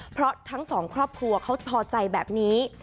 เพราะทั้งสองครอบครัวเขาพอใจแบบนี้